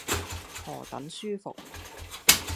何等舒服。